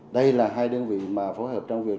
đây là hai đơn vị mà phối hợp trong việc